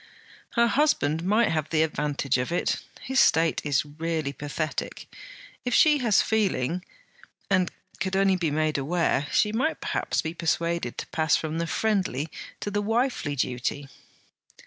'Her husband might have the advantage of it. His state is really pathetic. If she has feeling, and could only be made aware, she might perhaps be persuaded to pass from the friendly to the wifely duty.'